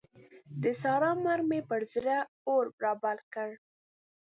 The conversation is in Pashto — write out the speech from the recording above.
د سارا مرګ مې پر زړه اور رابل کړ.